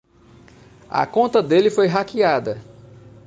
A conta dele foi hackeada.